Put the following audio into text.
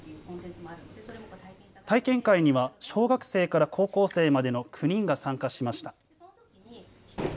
体験会には小学生から高校生までの９人が参加しました。